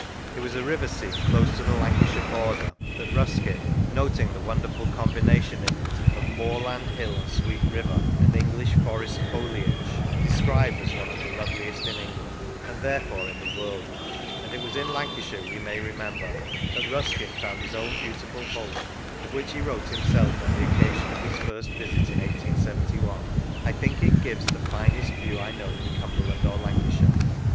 It was a river scene close to the Lancashire border that Ruskin noting the wonderful com bination in it of " moorland, hill, and sweet river, and English forest foliage " described as one of the loveliest in England, and therefore in the world; and it was in Lancashire, we may remember, that Ruskin found his own beautiful home, of which he wrote himself, on the occasion of his first visit in 1871 :" I think it gives the finest view I know in Cumberland or Lancashire."